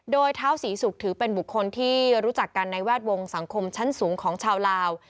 โดยเท้าศรีศุกร์ถือเป็นบุคคลที่รู้จักกันในแวดวงสังคมชั้นสูงของชาวลาว